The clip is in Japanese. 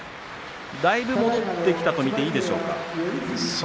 だいぶ戻ってきたと見ていいでしょうか。